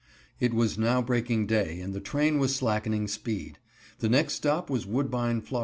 ] It was now breaking day and the train was slackening speed. The next stop was Woodbine, Fla.